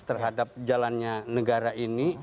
terhadap jalannya negara ini